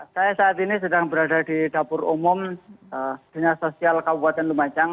saya saat ini sedang berada di dapur umum dinas sosial kabupaten lumajang